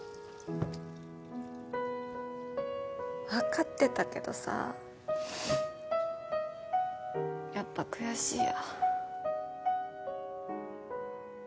わかってたけどさううっやっぱ悔しいや。